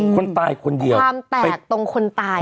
คนตายคนเดียวความแตกตรงคนตาย